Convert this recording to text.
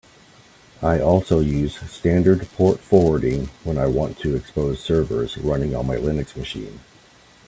I also use standard port forwarding when I want to expose servers running on my Linux machine.